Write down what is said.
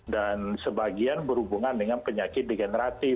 dan sebagian berhubungan dengan penyakit degeneratif